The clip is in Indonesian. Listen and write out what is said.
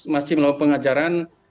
masih melakukan pengejaran